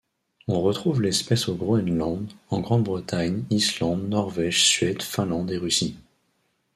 On retrouve l'espèce au Groenland, en Grande-Bretagne, Islande, Norvège, Suède, Finlande et Russie.